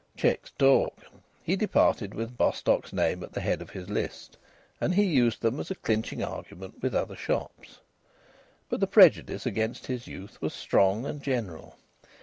Cheques talk. He departed with Bostocks' name at the head of his list, and he used them as a clinching argument with other shops. But the prejudice against his youth was strong and general.